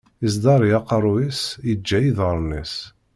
Isdari aqeṛṛu-s, iǧǧa iḍaṛṛen-is.